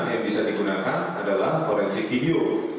yang bisa digunakan adalah forensik video